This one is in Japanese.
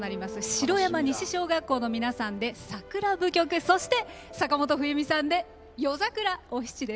城山西小学校の皆さんで「さくら舞曲」そして、坂本冬美さんで「夜桜お七」です。